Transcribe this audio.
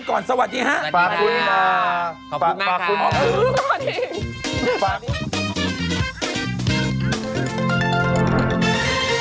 ต้องอะไม่ได้